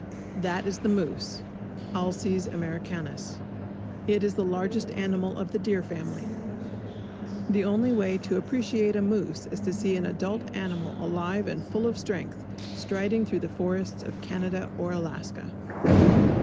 That is the moose (Alces americanus). It is the largest animal of the deer family. The only way to appreciate a moose is to see an adult animal alive and full of strength, striding through the forests of Canada or Alaska.